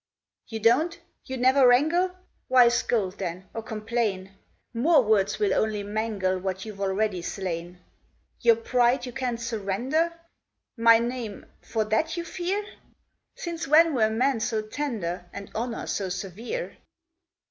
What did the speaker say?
"You don't? You never wrangle? Why scold then, or complain? More words will only mangle What you've already slain. Your pride you can't surrender? My name for that you fear? Since when were men so tender, And honor so severe?